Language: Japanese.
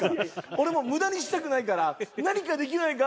俺も無駄にしたくないから何かできないか？